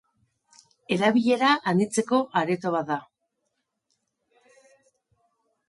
Erabilera anitzeko areto bat da.